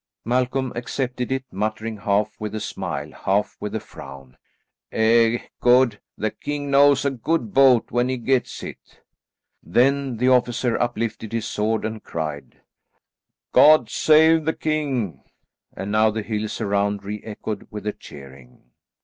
Malcolm accepted it, muttering half with a smile, half with a frown, "E god, the king knows a good boat when he gets it." Then the officer uplifted his sword and cried, "God save the king;" and now the hills around re echoed with the cheering.